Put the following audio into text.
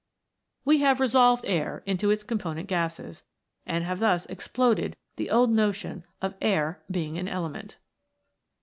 We have resolved air into its component gases, and have thus exploded the old notion of air being an element.